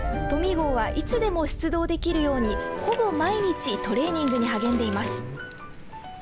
トミー号は、いつでも出動できるように、ほぼ毎日トレーニングに励んでいます。